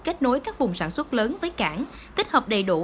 kết nối các vùng sản xuất lớn với cảng tích hợp đầy đủ